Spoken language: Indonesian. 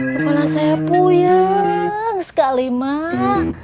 kepala saya puyang sekali mak